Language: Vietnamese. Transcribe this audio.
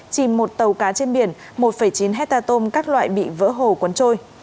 chìm một tàu cá trên biển một chín hectare tôm các loại bị vỡ hồ cuốn trôi